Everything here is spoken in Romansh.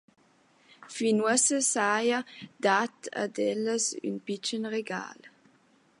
Fin uossa s’haja dat ad ellas ün pitschen regal.